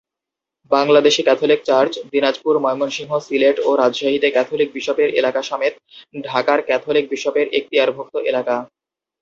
বাংলাদেশে Catholic church Dinajpur, Mymensingh, Sylhet ও রাজশাহীতে ক্যাথলিক বিশপের এলাকা সমেত ঢাকার ক্যাথলিক বিশপের এক্তিয়ারভুক্ত এলাকা।